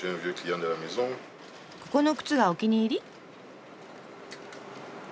ここの靴がお気に入り？